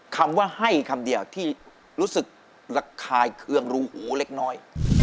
คำว่าให้คำเดียวที่รู้สึกระคายเคืองรูหูเล็กน้อย